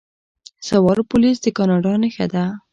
سوار پولیس د کاناډا نښه ده.